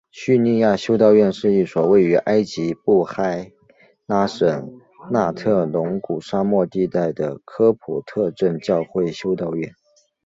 叙利亚修道院是一所位于埃及布海拉省纳特隆谷沙漠地带的科普特正教会修道院。